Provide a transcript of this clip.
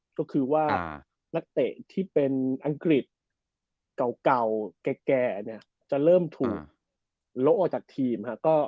ก็คือว่านักเตะที่เป็นอังกฤษเก่าแก่เนี่ยจะเริ่มถูกโละออกจากทีม